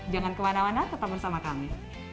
jangan kemana mana tetap bersama kami